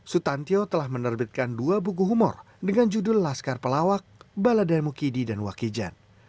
sutantio telah menerbitkan dua buku humor dengan judul laskar pelawak baladan mukidi dan wakijan